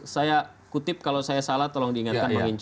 saya kutip kalau saya salah tolong diingatkan pak inca